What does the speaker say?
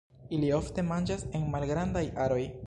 Ili ofte manĝas en malgrandaj aroj.